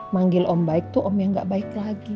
manggil om baik tuh om yang gak baik lagi